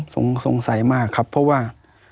สงสัยมากครับเพราะว่า